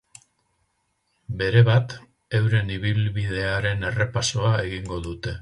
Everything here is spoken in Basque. Berebat, euren ibilbidearen errepasoa egingo dute.